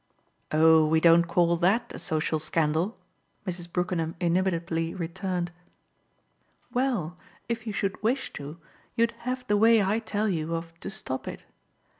"Oh we don't call THAT a social scandal!" Mrs. Brookenham inimitably returned. "Well, if you should wish to you'd have the way I tell you of to stop it.